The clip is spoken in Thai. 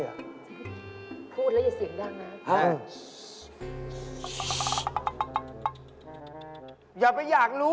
ถูกแล้วอย่าเสียงดังนะ